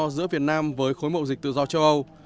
giữa việt nam với khối mậu dịch tự do châu âu